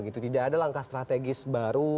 tidak ada langkah strategis baru